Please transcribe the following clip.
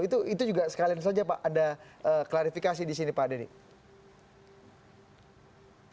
itu juga sekalian saja pak ada klarifikasi di sini pak dedy